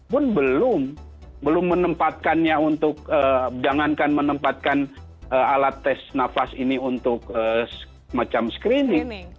pun belum menempatkannya untuk jangankan menempatkan alat tes nafas ini untuk macam screening